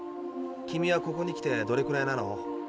君はここに来てどれくらいなの？